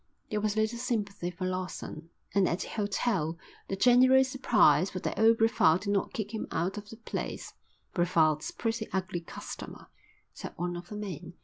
There was little sympathy for Lawson, and at the hotel the general surprise was that old Brevald did not kick him out of the place. "Brevald's a pretty ugly customer," said one of the men.